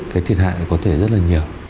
cái thiệt hại có thể rất là nhiều